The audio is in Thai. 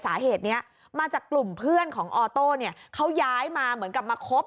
สาเหตุนี้มาจากกลุ่มเพื่อนของออโต้เนี่ยเขาย้ายมาเหมือนกับมาคบ